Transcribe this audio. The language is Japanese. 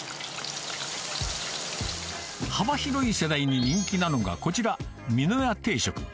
幅広い世代に人気なのが、こちら、美濃屋定食。